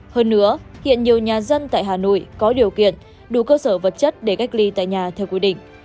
hơn nữa hiện nhiều nhà dân tại hà nội có điều kiện đủ cơ sở vật chất để cách ly tại nhà theo quy định